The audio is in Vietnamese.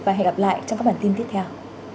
và hẹn gặp lại trong các bản tin tiếp theo